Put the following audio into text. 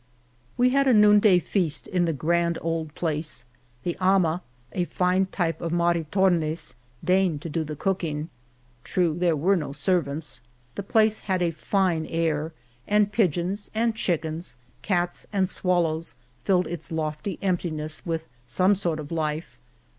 We had a noonday feast in the grand old place. The ama, a fine type of MaritdrneSy deigned to do the cooking. (True, there were no servants.) The place had a fine air, and pigeons, and chickens, cats and swallows, filled its lofty emptiness with some sort of life.